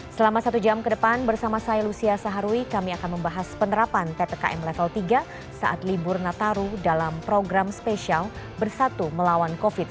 selama satu jam ke depan bersama saya lucia saharwi kami akan membahas penerapan ppkm level tiga saat libur nataru dalam program spesial bersatu melawan covid sembilan belas